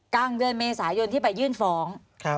กลางเดือนเมษายนที่ไปยื่นฟ้อง